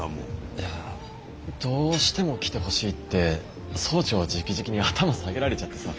いやどうしても来てほしいって総長じきじきに頭下げられちゃってさ。